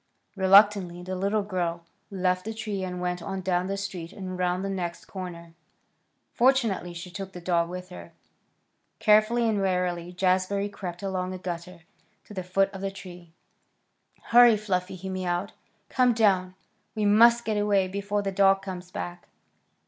Reluctantly the little girl left the tree and went on down the street and around the next corner. Fortunately she took the dog with her. Carefully and warily Jazbury crept along a gutter to the foot of the tree. "Hurry, Fluffy!" he mewed. "Come down. We must get away before the dog comes back."